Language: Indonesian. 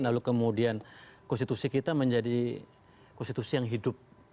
lalu kemudian konstitusi kita menjadi konstitusi yang hidup